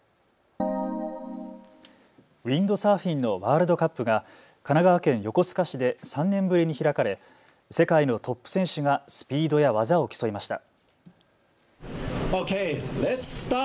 ウインドサーフィンのワールドカップが神奈川県横須賀市で３年ぶりに開かれ世界のトップ選手がスピードや技を競いました。